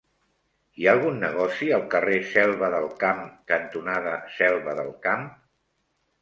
Hi ha algun negoci al carrer Selva del Camp cantonada Selva del Camp?